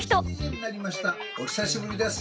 お久しぶりです。